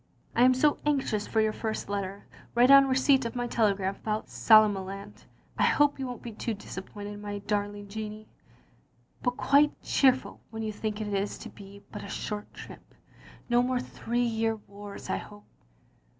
...'* I am so anxious for your first letter, writ on receipt of my telegram about Somaliland. I hope you won't be too disappointed, my darling Jeannie, but quite cheerful when you think it is to be but a short trip. No more three year wars, I hope.